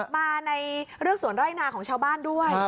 มาในเรื่องสวนไร่นาของชาวบ้านด้วย